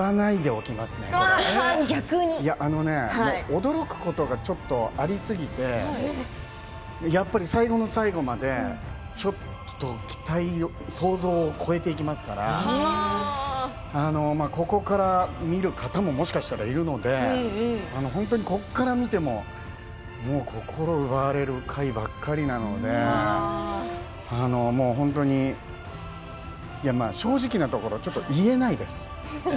驚くことがちょっとありすぎて、やっぱり最後の最後までちょっと想像を超えていきますからここから見る方ももしかしたらいるので本当に、ここから見ても心奪われる回ばかりなので本当に、正直なところちょっと言えないです。